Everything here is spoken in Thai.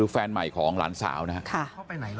แล้วก็ยัดลงถังสีฟ้าขนาด๒๐๐ลิตร